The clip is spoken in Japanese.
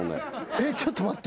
えっちょっと待って。